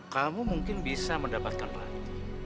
kamu mungkin bisa mendapatkan pelatih